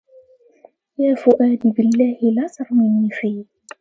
يا فؤادي بالله لا ترمني في